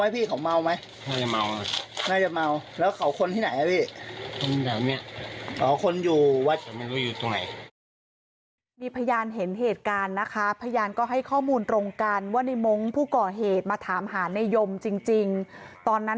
พี่หันหลังแล้วเขาเอามีดมาฟันเลยเหรอ